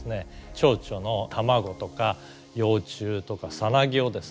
チョウチョの卵とか幼虫とかサナギをですね